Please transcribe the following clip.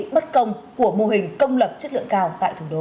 bất công của mô hình công lập chất lượng cao tại thủ đô